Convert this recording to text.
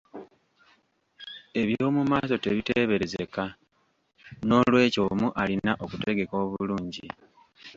Eby'omumaaso tebiteeberezeka; n'olwekyo omu alina okutegeka obulungi.